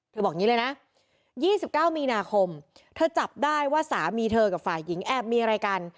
บอกอย่างนี้เลยนะ๒๙มีนาคมเธอจับได้ว่าสามีเธอกับฝ่ายหญิงแอบมีอะไรกัน